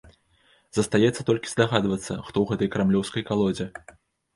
Застаецца толькі здагадвацца, хто ў гэтай крамлёўскай калодзе.